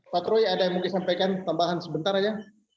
pak ruy ada yang mungkin sampaikan tambahan sebentar saja